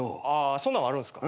そんなんあるんすか？